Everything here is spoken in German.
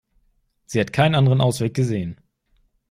Sie hat keinen anderen Ausweg gesehen.